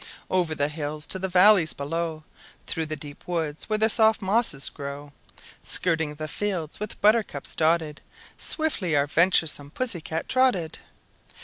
Over the hills to the valleys below, Through the deep woods where the soft mosses grow, Skirting the fields, with buttercups dotted, Swiftly our venturesome Pussy cat trotted.